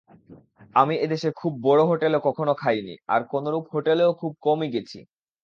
আমি এদেশে খুব বড় হোটেলে কখনও খাইনি, আর কোনরূপ হোটেলেও খুব কমই গেছি।